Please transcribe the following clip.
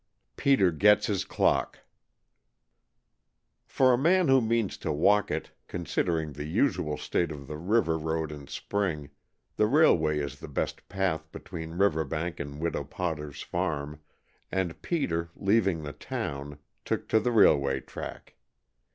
XX. PETER GETS HIS CLOCK For a man who means to walk it, considering the usual state of the river road in spring, the railway is the best path between Riverbank and Widow Potter's farm, and Peter, leaving the town, took to the railway track.